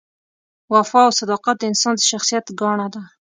وفا او صداقت د انسان د شخصیت ګاڼه ده.